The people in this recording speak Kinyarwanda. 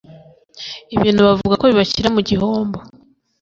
ibintu bavuga ko bibashyira mu gihombo